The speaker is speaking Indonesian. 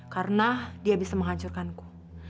karena dia bisa menghancurkanku